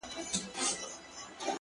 چاته يادي سي كيسې په خـامـوشۍ كــي _